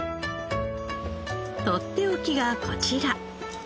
とっておきがこちら。